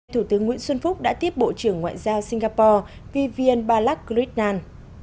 thủ tướng nguyễn xuân phúc đã tiếp bộ trưởng ngoại giao singapore vivian balak gritnan